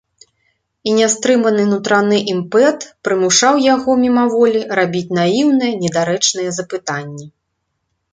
І нястрыманы нутраны імпэт прымушаў яго мімаволі рабіць наіўныя недарэчныя запытанні.